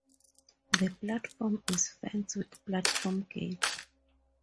The platform is fenced with platform gates.